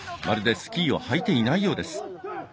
まるで、スキーを履いていないようです。